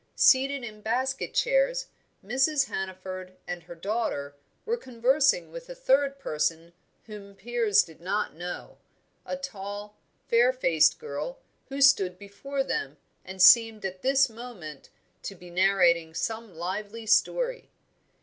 Seated in basket chairs, Mrs. Hannaford and her daughter were conversing with a third person whom Piers did not know, a tall, fair faced girl who stood before them and seemed at this moment to be narrating some lively story.